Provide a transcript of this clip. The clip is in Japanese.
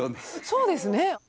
そうですね。